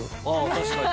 確かに。